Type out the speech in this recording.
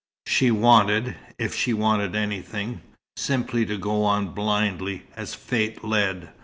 She wanted if she wanted anything simply to go on blindly, as fate led.